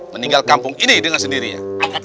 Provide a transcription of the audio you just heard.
meninggal kampung ini dengan sendirinya